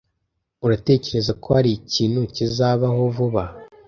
Uratekereza ko hari ikintu kizabaho vuba?